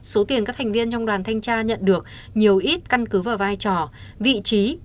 số tiền các thành viên trong đoàn thanh tra nhận được nhiều ít căn cứ vào vai trò vị trí